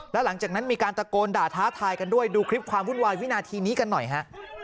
แล้วหลังจากนั้นมีการตะโกนด่าท้าทายกันด้วยดูคลิปความวุ่นวายวินาทีนี้กันหน่อยฮะ